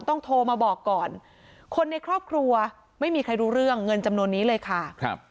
โทรมาบอกก่อนคนในครอบครัวไม่มีใครรู้เรื่องเงินจำนวนนี้เลยค่ะครับ